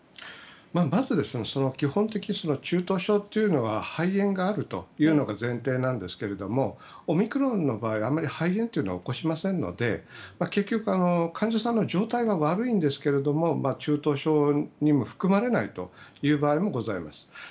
まず基本的に中等症というのは肺炎があるというのが前提なんですけれどもオミクロンの場合はあまり肺炎を起こしませんので結局、患者さんの状態が悪いんですけれど中等症にも含まれないという場合もございます。